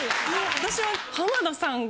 私は。